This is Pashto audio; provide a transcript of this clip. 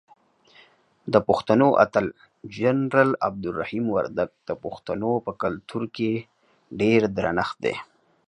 دپښتنو اتل جنرال عبدالرحیم وردک دپښتنو په کلتور کې ډیر درنښت دی.